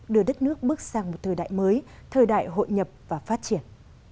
đưa đất nước bước sang một thời đại mới thời đại hội nhập và phát triển